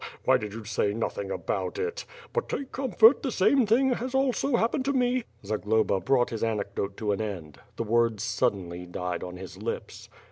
Why did you say nothing about it? But take comfort, the same thing has also happened to me " Zagloba brought his anecdote to an end. The words sud denly died on his lips.